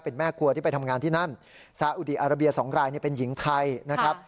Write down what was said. เป็นแม่ครัวที่ไปทำงานที่นั่นซาอุดีอาราเบีย๒รายเป็นหญิงไทยนะครับ